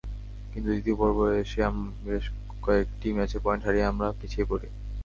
কিন্তু দ্বিতীয় পর্বে বেশ কয়েকটি ম্যাচে পয়েন্ট হারিয়ে আমরা পিছিয়ে পড়ি।